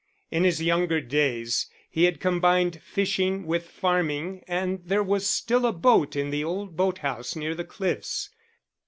In his younger days he had combined fishing with farming, and there was still a boat in the old boat house near the cliffs.